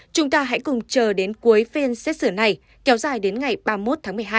chúng ta hãy cùng chờ đến cuối phiên xét xử này kéo dài đến ngày ba mươi một tháng một mươi hai